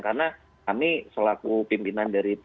karena kami selaku pimpinan dari